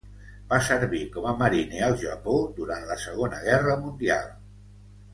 Va servir com a marine al Japó durant la Segona Guerra mundial.